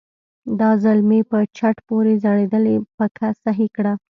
دا ځل مې په چت پورې ځړېدلې پکه سهي کړه.